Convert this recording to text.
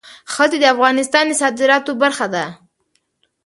ښتې د افغانستان د صادراتو برخه ده.